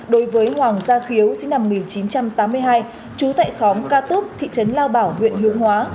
đối với hoàng gia khiếu sinh năm một nghìn chín trăm tám mươi hai trú tại khóm ca túc thị trấn lao bảo huyện hướng hóa